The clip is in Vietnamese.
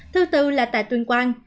thứ tư là tại tuyên quan